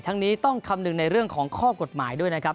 นี้ต้องคำนึงในเรื่องของข้อกฎหมายด้วยนะครับ